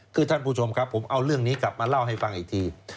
คือท่านผู้ชมครับผมเอาเรื่องนี้กลับมาเล่าให้ฟังอีกที